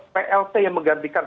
plt yang menggantikan